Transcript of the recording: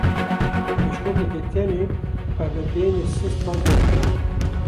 Bişkokeke tenê xwe bi benê sist ve girtibû.